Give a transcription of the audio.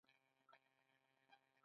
پښتو یوه بډایه ژبه ده.